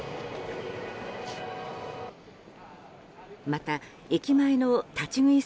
また駅前の立ち食い